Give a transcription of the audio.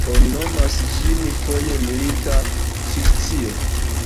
Oni nomas ĝin foje milita fikcio.